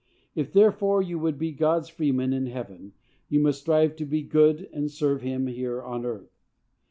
If, therefore, you would be God's freemen in heaven, you must strive to be good, and serve him here on earth.